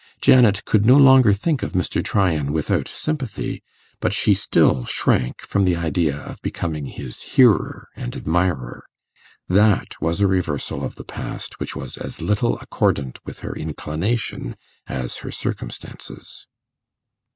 Janet could no longer think of Mr. Tryan without sympathy, but she still shrank from the idea of becoming his hearer and admirer. That was a reversal of the past which was as little accordant with her inclination as her circumstances.